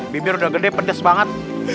bibir udah gede pedas banget